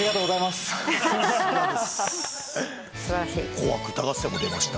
『紅白歌合戦』も出ました。